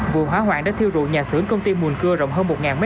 vụ hỏa hoạn đã thiêu rụ nhà xưởng công ty mùn cưa rộng hơn một m hai